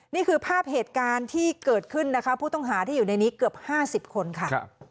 นี่คือภาพเหตุการณ์ที่เกิดขึ้นนะคะผู้ต้องหาที่อยู่ในนี้เกือบ๕๐คนค่ะ